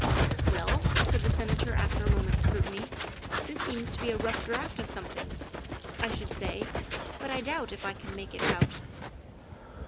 " Well," said the Senator after a moment's scrutiny, " this seems to be a rough draft of something, I should say, but I doubt if I can make it out.